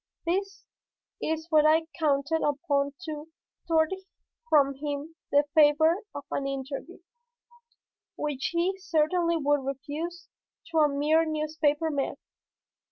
This is what I counted upon to extort from him the favor of an interview which he certainly would refuse to a mere newspaper man.